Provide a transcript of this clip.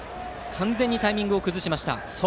完全にタイミングを崩しました。